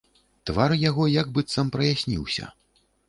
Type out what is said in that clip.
Твар яго як быццам праясніўся.